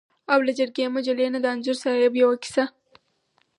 او له جرګې مجلې نه د انځور صاحب یوه کیسه.